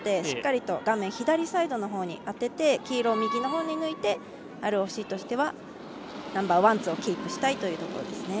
しっかりと画面左サイドのほうに当てて黄色を右のほうに抜いてＲＯＣとしてはナンバーワン、ツーをキープしたいところです。